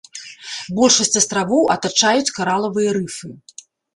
Большасць астравоў атачаюць каралавыя рыфы.